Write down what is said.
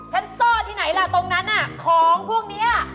ซ่อที่ไหนล่ะตรงนั้นของพวกนี้